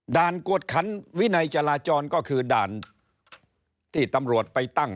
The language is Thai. กวดขันวินัยจราจรก็คือด่านที่ตำรวจไปตั้ง